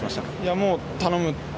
もう、頼む。